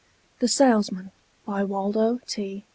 THE SALESMAN By Waldo T.